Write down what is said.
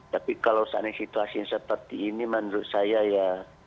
tapi kalau saatnya situasi seperti ini menurut saya ya